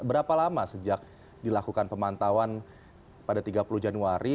berapa lama sejak dilakukan pemantauan pada tiga puluh januari